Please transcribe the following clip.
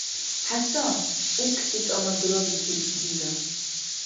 — ХӀясан! — цӀиркӀси тӀама дурабикиб дила.